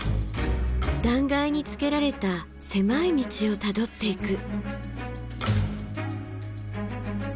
断崖につけられた狭い道をたどっていく。